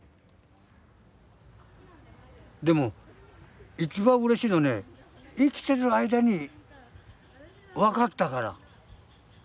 でも一番うれしいのはね生きてる間に分かったから。